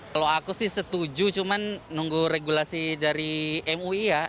kalau aku sih setuju cuman nunggu regulasi dari mui ya